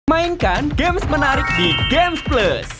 mainkan games menarik di gamesplus